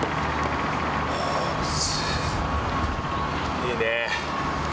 いいね。